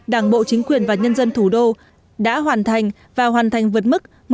đảng bộ chính quyền và nhân dân thủ đô đã hoàn thành và hoàn thành vượt mức